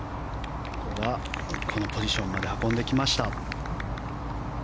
このポジションまで運んできました。